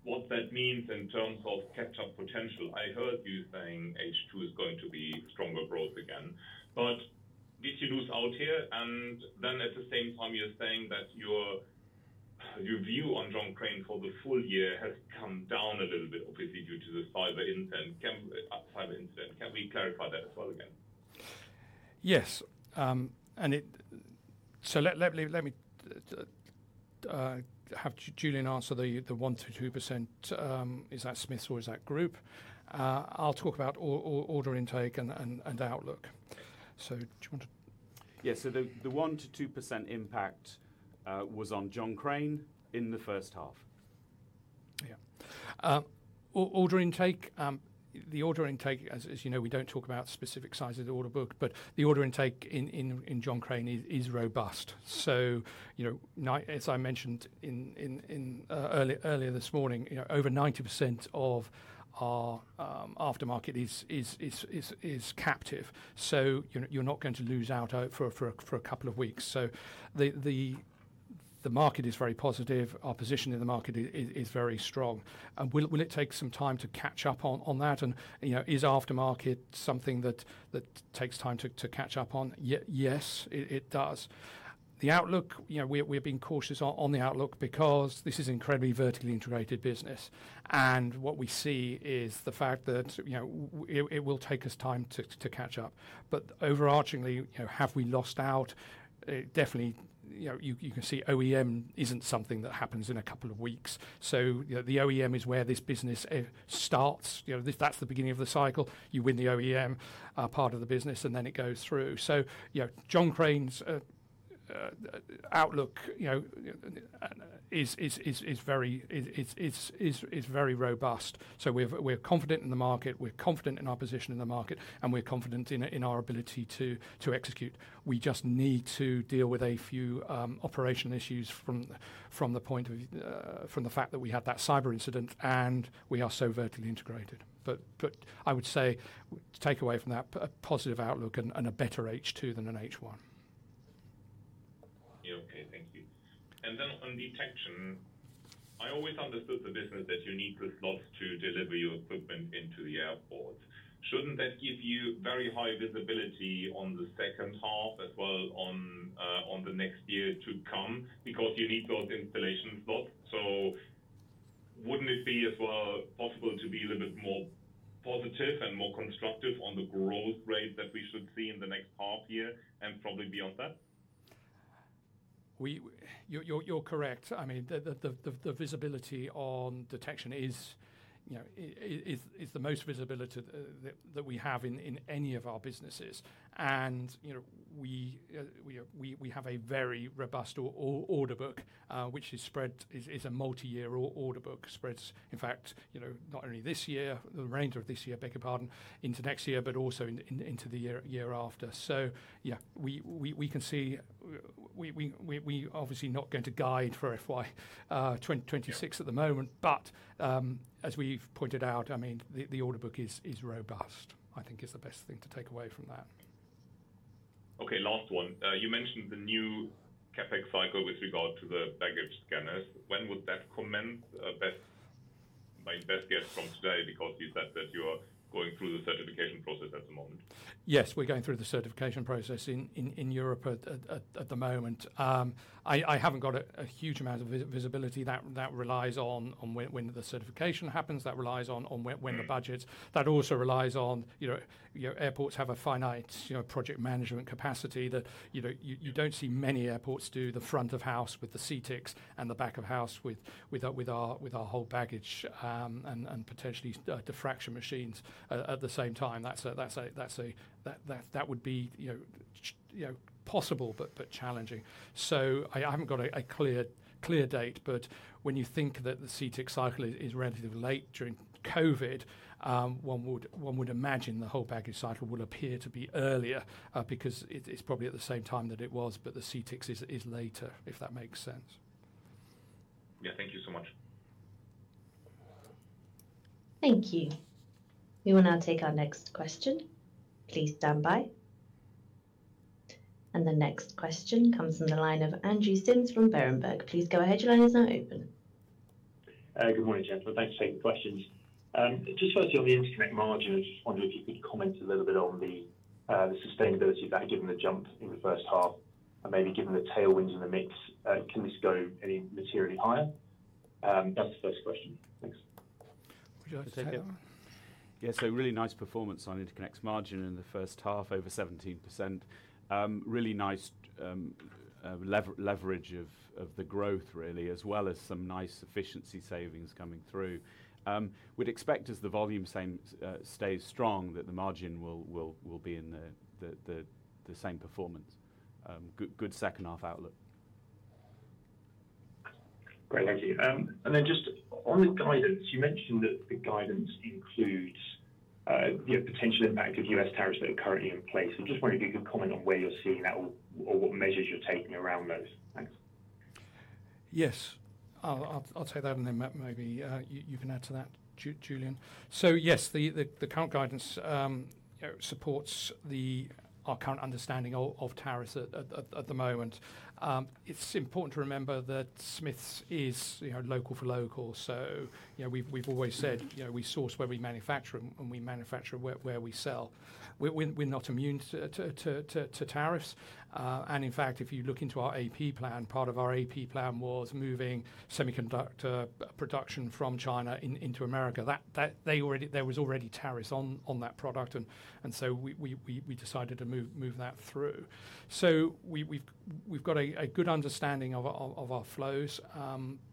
H: what that means in terms of catch up potential? I heard you saying H2 is going to be stronger growth again, but did you lose out here? At the same time you're saying that your view on John Crane for the full year has come down a little bit obviously due to the cyber incident. Can we clarify that as well again?
A: Yes. Let me have Julian answer the 1% to 2%. Is that Smiths or is that group? I'll talk about order intake and outlook. Do you want to?
B: Yes. The 1% to 2% impact was on John Crane in the first half?
A: Yeah. Order intake. The order intake. As you know, we do not talk about specific size of the order book, but the order intake in John Crane is robust. You know, as I mentioned earlier this morning, over 90% of our aftermarket is captive. You are not going to lose out for a couple of weeks. The market is very positive. Our position in the market is very strong. Will it take some time to catch up on that? And is aftermarket something that takes time to catch up on? Yes, it does. The outlook. We are being cautious on the outlook because this is incredibly vertically integrated business. What we see is that the fact that it will take us time to catch up but overarchingly have we lost out definitely. You can see OEM is not something that happens in a couple of weeks. The OEM is where this business starts. That's the beginning of the cycle. You win the OEM part of the business and then it goes through. John Crane's outlook is very, is very robust. We're confident in the market, we're confident in our position in the market and we're confident in our ability to execute. We just need to deal with a few operational issues from the fact that we had that cyber incident and we. Are so vertically integrated. I would say take away from that positive outlook and a better H2 than an H1.
H: Okay, thank you. On Detection, I always understood the business that you need the slots to deliver your equipment into the airport. Shouldn't that give you very high visibility on the second half as well on the next year to come? Because you need those installations. Wouldn't it be as well possible to be a little bit more positive and more constructive on the growth rate that we should see in the next half year and probably beyond that?
A: You're correct. I mean the visibility on Detection is the most visibility that we have in any of our businesses. We have a very robust order book which is a multi-year order book, spreads in fact, not only this year, the remainder of this year, beg your pardon, into next year, but also into the year after. Yeah, we can see we obviously not going to guide for FY 2026 at the moment. As we've pointed out, I mean the order book is robust I think is the best thing to take away from that.
H: Okay, last one. You mentioned the new CapEx cycle with regard to the baggage scanners. When would that commence best? My best guess from today. Because you said that you are going through the certification process at the moment.
A: Yes, we're going through the certification process in Europe at the moment. I haven't got a huge amount of visibility. That relies on when the certification happens, that relies on when the budgets, that also relies on airports have a finite project management capacity. You don't see many airports do the front of house with the CTiX and the back of house with our whole baggage and potentially diffraction machines at the same time. That would be possible but challenging. I haven't got a clear date, but when you think that the CTiX cycle is relatively late during COVID, one would imagine the whole baggage cycle will appear to be earlier because it's probably at the same time that it was. The CTiXs is later if that makes sense.
H: Yeah. Thank you so much.
C: Thank you. We will now take our next question. Please stand by. The next question comes from the line of Andrew Simms from Berenberg. Please go ahead. Your line is now open.
I: Good morning gentlemen. Thanks for taking questions. Just firstly on the Interconnect margin. I just wonder if you could comment a little bit on the sustainability of that. Given the jump in the first half and maybe given the tailwinds in the mix, can this go any materially higher? That's the first question. Thanks.
A: Would you like to take it?
B: Yes. A really nice performance on Interconnects margin in the first half. Over 17%. Really nice leverage of the growth, really. As well as some nice efficiency savings coming through. We'd expect as the volume stays strong that the margin will be in the same performance. Good. Second half outlook.
I: Great, thank you. Just on the guidance, you mentioned that the guidance includes the potential impact of U.S. tariffs that are currently in place. I'm just wondering if you could comment on where you're seeing that or what measures you're taking around those. Thanks.
A: Yes, I'll take that. Maybe you can add to that, Julian. Yes, the current guidance supports our current understanding of tariffs at the moment. It's important to remember that Smiths is local for local. We've always said we source where we manufacture and we manufacture where we sell. We're not immune to tariffs. In fact, if you look into our AP plan, part of our AP plan was moving semiconductor production from China into America. There were already tariffs on that product and we decided to move that through. We've got a good understanding of our flows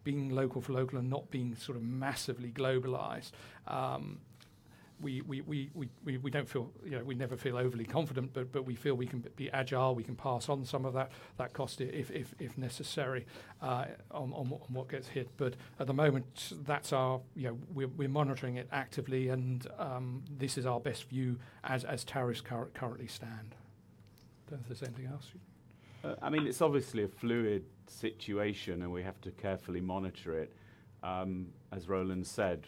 A: being local for local and not being sort of massively globalized. We don't feel, you know, we never feel overly confident, but we feel we can be agile. We can pass on some of that cost if necessary, on what gets hit. At the moment that's our. We're monitoring it actively and this is our best view as tariffs currently stand. Don't know if there's anything else.
B: I mean it's obviously a fluid situation and we have to carefully monitor it. As Roland said,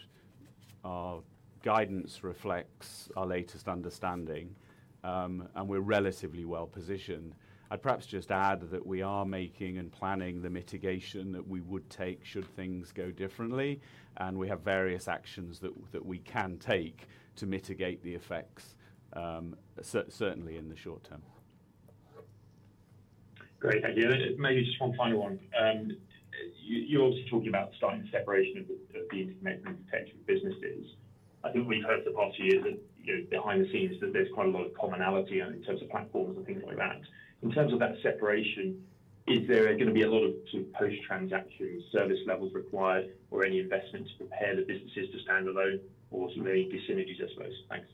B: our guidance reflects our latest understanding and we're relatively well positioned. I'd perhaps just add that we are making and planning the mitigation that we would take should things go differently. We have various actions that we can take to mitigate the effects, certainly in the short term.
I: Great, thank you. Maybe just one final one. You're talking about starting separation of the businesses. I think we've heard the past year that behind the scenes that there's quite a lot of commonality in terms of platforms and things like that. In terms of that separation, is there going to be a lot of post transaction service levels required or any investment to prepare the businesses to stand alone or some very dis-synergies, I suppose. Thanks.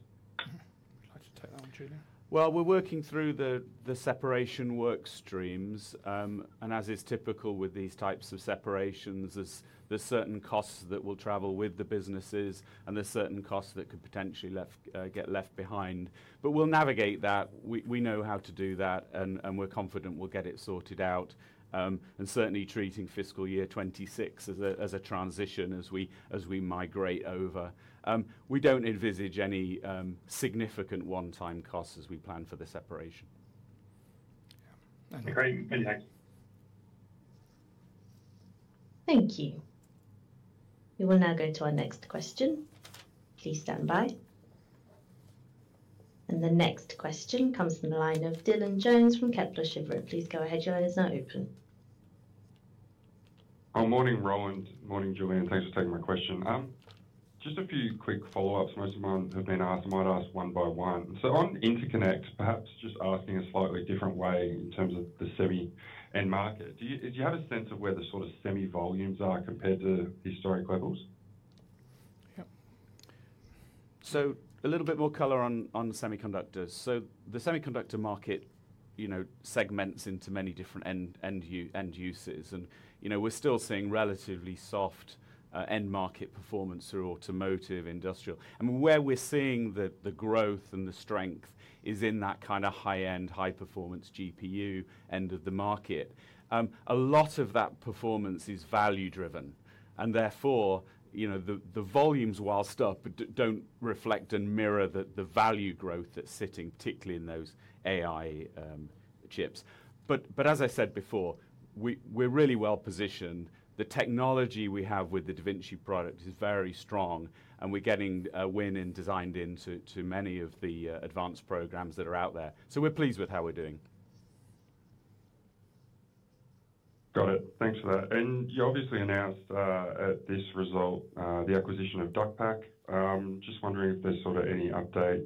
B: We're working through the separation work streams and as is typical with these types of separations, there's certain costs that will travel with the businesses and there's certain costs that could potentially get left behind. We'll navigate that. We know how to do that and we're confident we'll get it sorted out and certainly treating fiscal year 2026 as a transition as we migrate over. We don't envisage any significant one time costs as we plan for the separation.
C: Thank you. We will now go to our next question. Please stand by. The next question comes from the line of Dylan Jones from Kepler Cheuvreux. Please go ahead. Your line is now open.
J: Morning Roland. Morning Julian. Thanks for taking my question. Just a few quick follow ups. Most of mine have been asked, I might ask one by one. On Interconnect, perhaps just asking a slightly different way in terms of the semi end market, do you have a sense of where the sort of semi volumes are compared to historic levels?
B: A little bit more color on semiconductors. The semiconductor market segments into many different end users and, you know, we're still seeing relatively soft end market performance through automotive, industrial, and where we're seeing the growth and the strength is in that kind of high end, high performance GPU end of the market. A lot of that performance is value driven and therefore, you know, the volumes whilst up don't reflect and mirror the value growth that's sitting particularly in those AI chips. As I said before, we're really well positioned. The technology we have with the DaVinci product is very strong and we're getting win and designed into many of the advanced programs that are out there. We're pleased with how we're doing.
J: Got it. Thanks for that. You obviously announced at this result the acquisition of Dock Park. Just wondering if there's sort of any update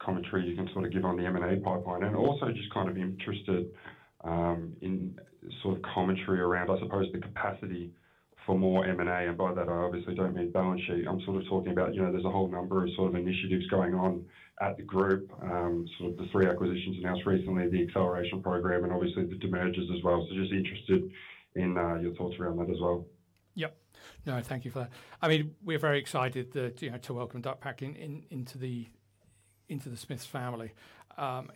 J: commentary you can sort of give on the M&A pipeline and also just kind of interested in sort of commentary around, I suppose, the capacity for more M&A. By that I obviously don't mean balance sheet. I'm sort of talking about, you know, there's a whole number of sort of initiatives going on at the group, sort of the three acquisitions announced recently, the acceleration program, and obviously the demergers as well. Just interested in your thoughts around that as well.
A: Yep, no, thank you for that. I mean we're very excited that, you know, to welcome Dock Park into the, into the Smiths family.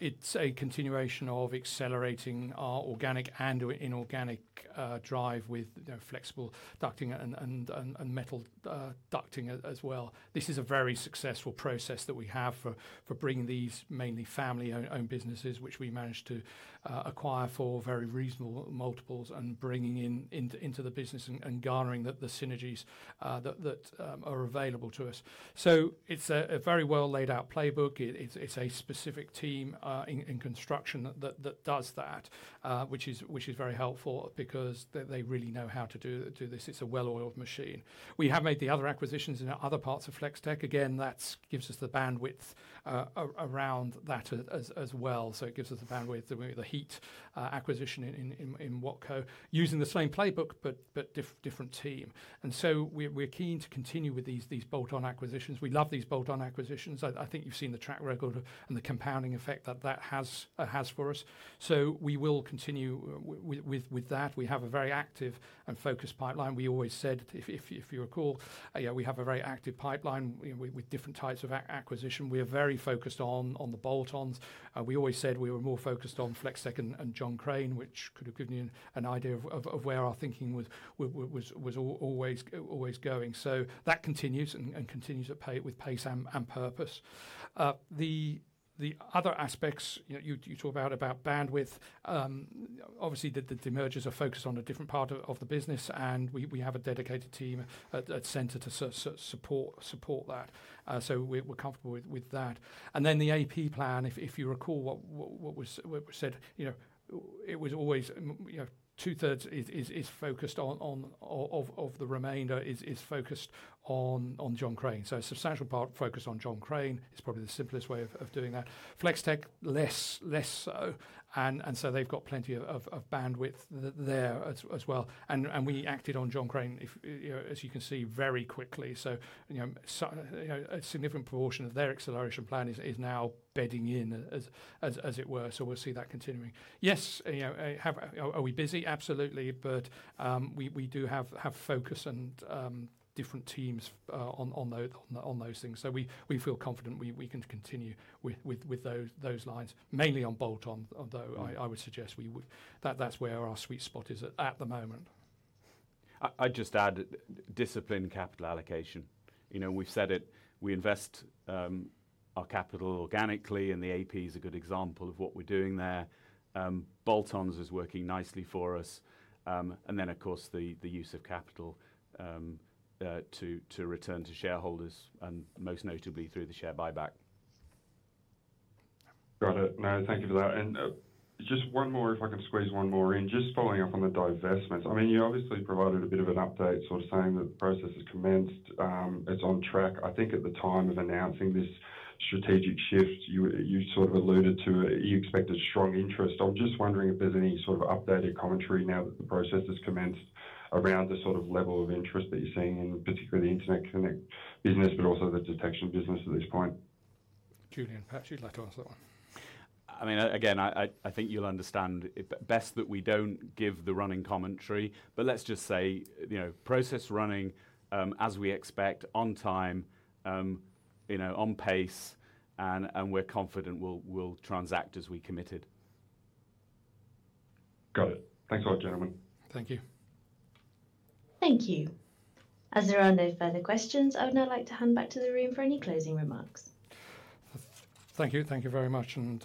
A: It's a continuation of accelerating our organic and inorganic drive with flexible ducting and metal ducting as well. This is a very successful process that we have for bringing these mainly family owned businesses which we managed to acquire for very reasonable multiples and bringing into the business and garnering the synergies that are available to us. It's a very well laid out playbook. It's a specific team in construction that does that, which is very helpful because they really know how to do this. It's a well oiled machine. We have made the other acquisitions in other parts of Flex-Tek. Again, that gives us the bandwidth around that as well. It gives us the bandwidth. The heat acquisition in Wattco using the same playbook but different team. We are keen to continue with these bolt on acquisitions. We love these bolt on acquisitions. I think you've seen the track record and the compounding effect that that has for us. We will continue with that. We have a very active and focused pipeline. We always said, if you recall, we have a very active pipeline with different types of acquisition. We are very focused on the bolt ons. We always said we were more focused on Flex-Tek and John Crane which could have given you an idea of where our thinking was always going. That continues and continues with pace and purpose. The other aspects you talk about bandwidth, obviously the demergers are focused on a different part of the business and we have a dedicated team at centre to support that. We're comfortable with that. If you recall what was said, it was always two thirds is focused, of the remainder is focused on John Crane. A substantial part focus on John Crane is probably the simplest way of doing that. Flex-Tek less so. They've got plenty of bandwidth there as well. We acted on John Crane, as you can see, very quickly. A significant portion of their acceleration plan is now bedding in, as it were. We'll see that continuing. Yes. Are we busy? Absolutely. We do have focus and different teams on those things. We feel confident we can continue with those lines, mainly on bolt-on though. I would suggest that's where our sweet spot is at the moment.
B: I just add discipline, capital allocation, you know, we've said it, we invest our capital organically and the AP is a good example of what we're doing there. Bolt-ons is working nicely for us. And then of course the use of capital to return to shareholders and most notably through the share buyback.
J: Got it. No, thank you for that. Just one more, if I can squeeze one more in. Just following up on the divestments. I mean, you obviously provided a bit of an update, sort of saying that the process has commenced, it's on track. I think at the time of announcing this strategic shift you sort of alluded to, you expect a strong interest. I'm just wondering if there's any sort of updated commentary now that the process has commenced around the sort of level of interest that you're seeing in particular the Interconnect business, but also the Detection business at this point.
A: Julian, perhaps you'd like to answer that one.
B: I mean, again, I think you'll understand best that we don't give the running commentary, but let's just say process running as we expect, on time, on pace, and we're confident we'll transact as we committed.
J: Got it. Thanks a lot, gentlemen.
A: Thank you.
C: Thank you. As there are no further questions, I would now like to hand back to the room for any closing remarks.
A: Thank you. Thank you very much and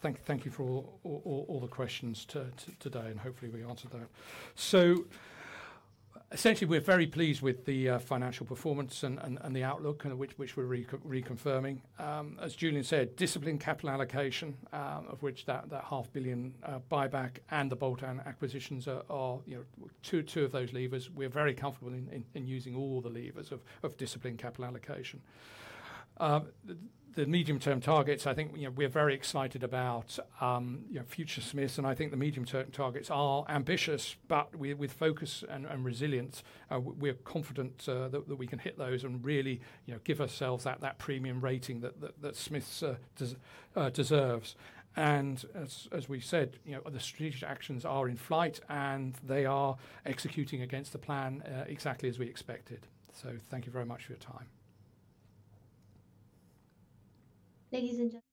A: thank you for all the questions today. Hopefully we answer that. Essentially, we are very pleased with the financial performance and the outlook which we are reconfirming. As Julian said, disciplined capital allocation, of which that half billion buyback and the bolt-on acquisitions are two of those levers. We are very comfortable in using all the levers of disciplined capital allocation. The medium term targets. I think we are very excited about Future Smiths and I think the medium term targets are ambitious, but with focus and resilience, we are confident that we can hit those and really give ourselves that premium rating that Smiths deserves. As we said, the strategic actions are in flight and they are executing against the plan exactly as we expected. Thank you very much for your time.
C: Ladies and gentlemen.